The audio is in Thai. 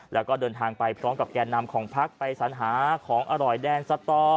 แล้วก็เดินทางไปพร้อมกับแก่นำของพักไปสัญหาของอร่อยแดนสตอ